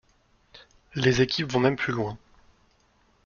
Les équipes vont même plus loin.